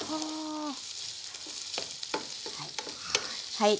はい。